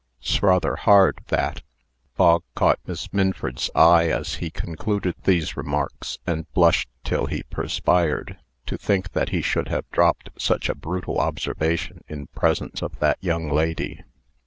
'S rather hard, that." Bog caught Miss Minford's eye as he concluded these remarks, and blushed till he perspired, to think that he should have dropped such a brutal observation in presence of that young lady.